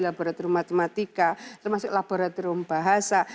laboratorium matematika termasuk laboratorium bahasa